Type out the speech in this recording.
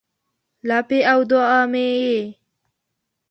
لپې او دوعا مې یې